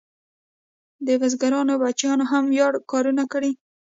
د بزګرانو بچیانو هم وړیا کارونه کول.